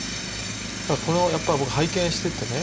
これをやっぱ僕拝見しててね